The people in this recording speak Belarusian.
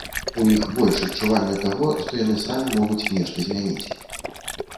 У іх больш адчування таго, што яны самі могуць нешта змяніць.